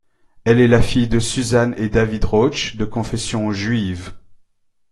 Elle est la fille de Susan et David Rauch, de confession juive.